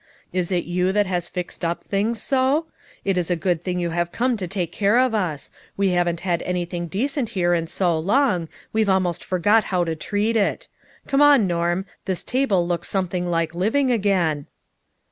Is it you that has fixed up things so ? It is a good thing you have come to take care of us. We haven't had anything decent here in so long, we've most THE TRUTH IS TOLD. 55 forgot how to treat it. Come on, Norm. This table looks something like living again."